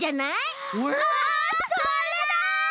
あそれだ！